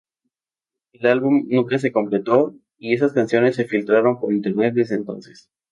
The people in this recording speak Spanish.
El álbum, nunca se completó y esas canciones se filtraron por internet desde entonces.